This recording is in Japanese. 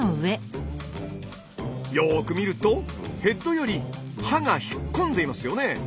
よく見るとヘッドより刃が引っ込んでいますよね。